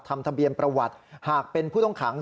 ทะเบียนประวัติหากเป็นผู้ต้องขัง